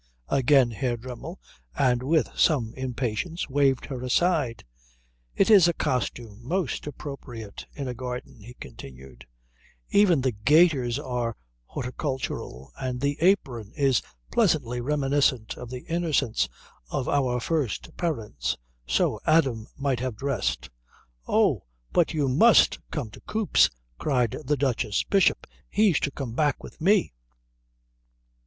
Again Herr Dremmel, and with some impatience, waved her aside. "It is a costume most appropriate in a garden," he continued. "Even the gaiters are horticultural, and the apron is pleasantly reminiscent of the innocence of our first parents. So Adam might have dressed " "Oh, but you must come to Coops!" cried the Duchess. "Bishop, he's to come back with me."